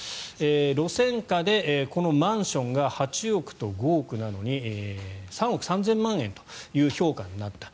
路線価でこのマンションが８億と５億なのに３億３０００万円という評価になった。